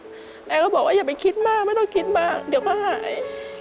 แล้วก็บอกว่าอย่าไปคิดมากไม่ต้องคิดมากเดี๋ยวก็หาย